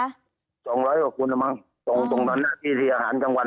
๒๐๐กว่ากลิ่นนั้นตรงนั้นที่ที่อาหารกลางวัน